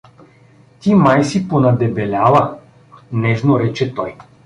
— Ти май си понадебеляла — нежно рече той.